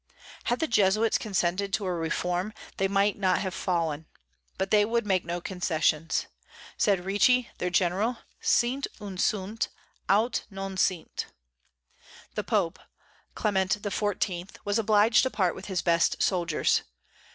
Had the Jesuits consented to a reform, they might not have fallen. But they would make no concessions. Said Ricci, their General, Sint ut sunt, aut non sint. The Pope Clement XIV. was obliged to part with his best soldiers.